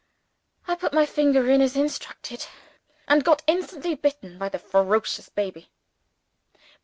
I put my finger in as instructed, and got instantly bitten by the ferocious baby.